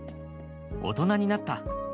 大人になった。